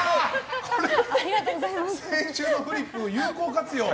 先週のフリップを有効活用。